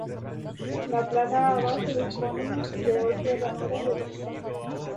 La placa base disponía de ocho ranuras de expansión.